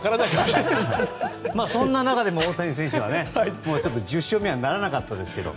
そんな中でも大谷選手は１０勝目はならなかったですけど。